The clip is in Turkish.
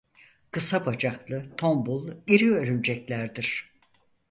Kısa bacaklı tombul iri örümceklerdir.